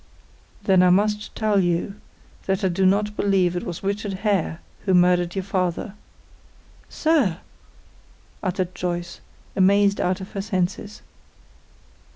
"Then I must tell you that I do not believe it was Richard Hare who murdered your father." "Sir!" uttered Joyce, amazed out of her senses.